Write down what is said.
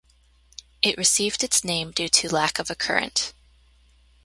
It received its name due to lack of a current.